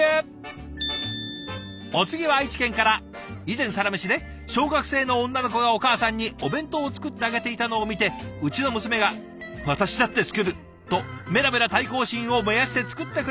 「以前『サラメシ』で小学生の女の子がお母さんにお弁当を作ってあげていたのを見てうちの娘が『私だって作る』とメラメラ対抗心を燃やして作ってくれました」。